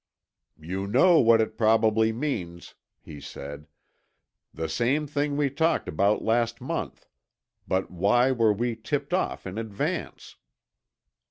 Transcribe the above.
"You know what it probably means," he said. "The same thing we talked about last month. But why were we tipped off in advance?"